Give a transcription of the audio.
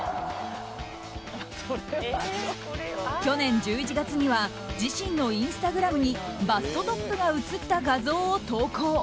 去年１１月には自身のインスタグラムにバストトップが写った画像を投稿。